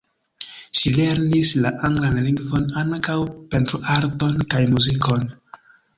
Ŝi lernis la anglan lingvon, ankaŭ pentroarton kaj muzikon.